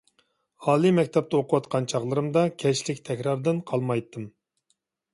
ئالىي مەكتەپتە ئوقۇۋاتقان چاغلىرىمدا، كەچلىك تەكراردىن قالمايتتىم.